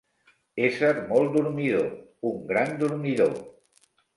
Ésser molt dormidor, un gran dormidor.